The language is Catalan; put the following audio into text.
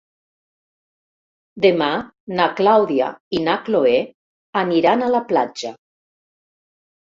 Demà na Clàudia i na Cloè aniran a la platja.